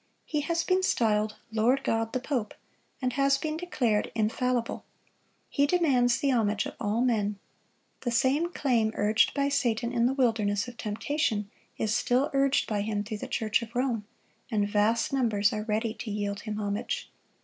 He has been styled "Lord God the Pope,"(71) and has been declared infallible. He demands the homage of all men. The same claim urged by Satan in the wilderness of temptation, is still urged by him through the Church of Rome, and vast numbers are ready to yield him homage.